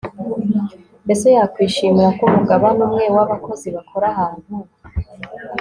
mbese yakwishimira ko umugabane umwe w'abakozi bakora ahantu